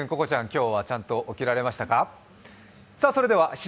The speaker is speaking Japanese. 今日はちゃんと起きられましたか？